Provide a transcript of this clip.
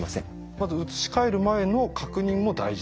まず移し替える前の確認も大事だと。